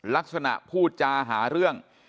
ลักษณะพูดจาหาเรื่อง